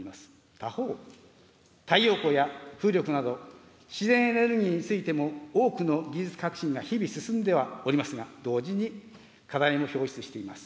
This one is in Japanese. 他方、太陽光や風力など、自然エネルギーについても多くの技術革新が日々、進んではおりますが、同時に課題も表出しています。